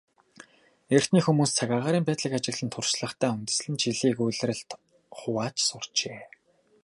Эртний хүмүүс цаг агаарын байдлыг ажигласан туршлагадаа үндэслэн жилийг улиралд хувааж сурчээ.